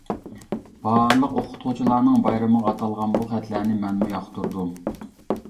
بارلىق ئوقۇتقۇچىلارنىڭ بايرىمىغا ئاتالغان بۇ خەتلەرنى مەنمۇ ياقتۇردۇم.